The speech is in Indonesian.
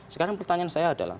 sekarang pertanyaan saya adalah